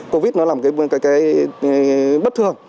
covid nó là một cái bất thường